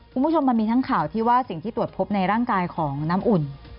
คุณผู้ชมมันมีทั้งข่าวที่ว่าสิ่งที่ตรวจพบในร่างกายของน้ำอุ่น